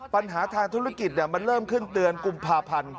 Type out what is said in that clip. ปัญหาทางธุรกิจมันเริ่มขึ้นเตือนกุมภาพันธ์